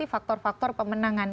pasti faktor faktor pemenangan